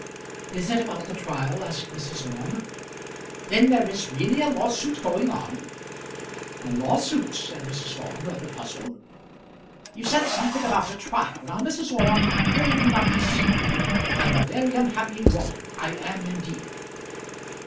"Is it about the trial?" asked Mrs. Orme. "Then there is really a lawsuit going on?" "A lawsuit!" said Mrs. Orme, rather puzzled. "You said something about a trial. Now, Mrs. Orme, pray do not deceive me. I'm a very unhappy woman; I am indeed."